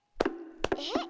えっ？